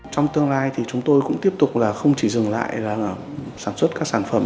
trong tương lai thì chúng tôi cũng tiếp tục là không chỉ dừng lại là sản xuất các sản phẩm